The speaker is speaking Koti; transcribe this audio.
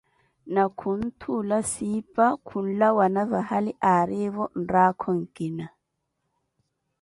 Na khunthuula Siipa khunlawana vahali aarivo mraakho nkina.